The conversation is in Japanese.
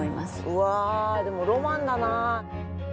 うわでもロマンだな。